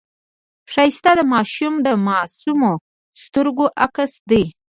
ښایست د ماشوم د معصومو سترګو عکس دی